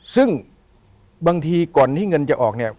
ซึ่งบางทีก่อนที่เงินจะออกเนี่ย